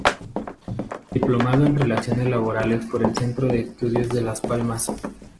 Diplomado en Relaciones Laborales por el Centro de Estudios de Las Palmas.